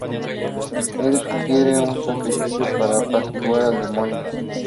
Él le sugiere un sacrificio para apaciguar al demonio.